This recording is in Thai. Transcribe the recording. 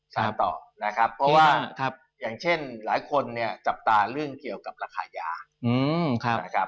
ตามต่อนะครับเพราะว่าอย่างเช่นหลายคนเนี่ยจับตาเรื่องเกี่ยวกับราคายานะครับ